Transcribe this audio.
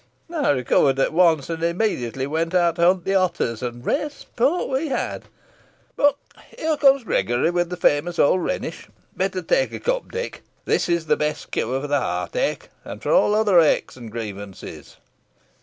I recovered at once, and immediately went out to hunt the otters, and rare sport we had. But here comes Gregory with the famous old Rhenish. Better take a cup, Dick; this is the best cure for the heartache, and for all other aches and grievances.